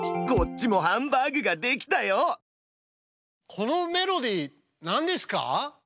このメロディー何ですか？